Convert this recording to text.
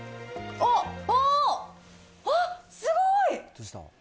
あっ、すごい！